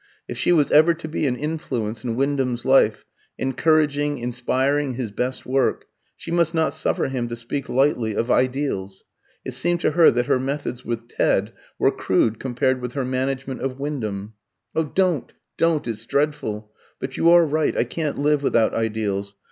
If she was ever to be an influence in Wyndham's life, encouraging, inspiring his best work, she must not suffer him to speak lightly of "ideals." It seemed to her that her methods with Ted were crude compared with her management of Wyndham. "Oh, don't, don't! It's dreadful! But you are right. I can't live without ideals.